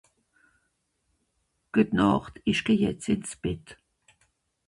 Gutnacht isch geh jetzt ins Bett